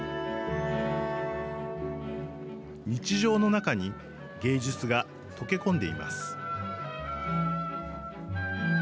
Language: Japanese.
日常の中に芸術が溶け込んでいます。